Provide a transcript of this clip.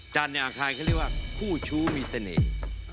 ในอาคารเขาเรียกว่าคู่ชู้มีเสน่ห์